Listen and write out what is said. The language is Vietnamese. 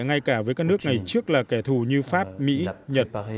ngay cả với các nước ngày trước là kẻ thù như pháp mỹ nhật